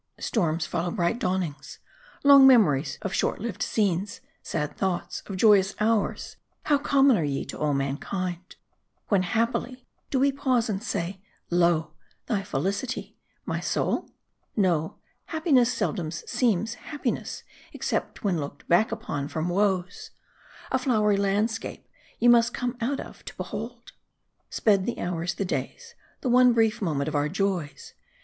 Stprms follow bright dawn ings. Long memories of short lived scenes, sad thoughts of joyous hours how common are ye to all mankind. When happy, do we pause and say "Lo, thy felicity, my soul?" No: happiness seldom seems happiness, except when looked back upon from woes. A flowery landscape, you must come out of, to behold. Sped the hours, the days, the one brief moment of our joys.